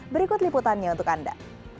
berikut liputannya untuk anda